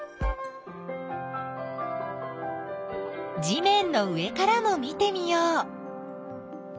地めんの上からも見てみよう。